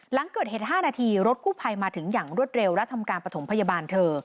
หลังเกิดเหตุ๕นาทีรถกู้ภัยมาถึงอย่างรวดเร็วและทำการประถมพยาบาลเธอ